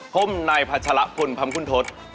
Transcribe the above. ที่โนคูก